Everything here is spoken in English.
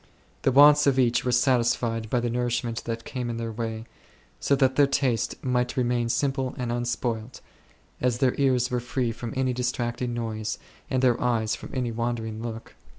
The wants oi each were satisfied by the nourishment that came in their way, so that their taste might remain simple and unspoilt, as their ears were free from any distracting noise, and their eyfes from any wandering look.